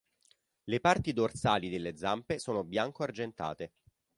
Le parti dorsali delle zampe sono bianco-argentate.